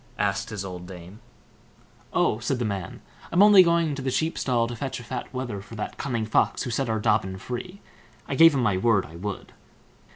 asked his old dame. "Oh!" said the man, "I'm only going to the sheep stall to fetch a fat wether for that cunning Fox, who set our Dobbin free. I gave him my word I would."